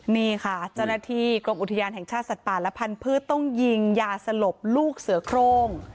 นี่ค่ะเจ้าหน้าที่กรมอุทยานแห่งชาติสัตว์ป่าและพันธุ์ต้องยิงยาสลบลูกเสือโครง